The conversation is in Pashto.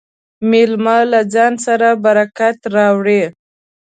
مېلمه له ځان سره برکت راوړي.